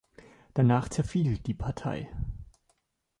Danach zerfiel die Partei.